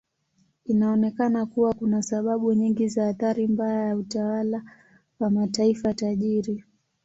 Inaonekana kuwa kuna sababu nyingi za athari mbaya ya utawala wa mataifa tajiri.